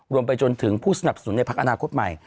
ไปจนถึงผู้สนับสนุนในพักอนาคตใหม่